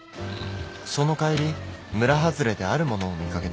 その帰り村外れであるものを見掛けて。